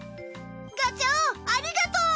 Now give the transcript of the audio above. ガチャオありがとう！